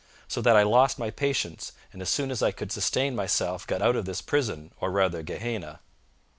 So that I lost my patience, and as soon as I could sustain myself got out of this prison, or rather gehenna.'